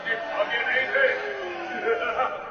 لومړی خو د متقي صاحب کور ودان